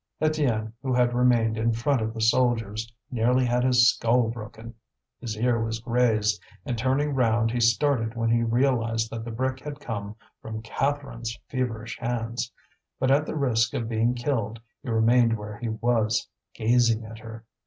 Étienne, who had remained in front of the soldiers, nearly had his skull broken. His ear was grazed, and turning round he started when he realized that the brick had come from Catherine's feverish hands; but at the risk of being killed he remained where he was, gazing at her.